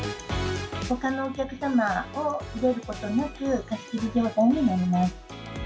ほかのお客様を入れることなく、貸し切り状態になります。